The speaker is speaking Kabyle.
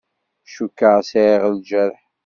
Cukkeɣ sɛiɣ lǧerḥ.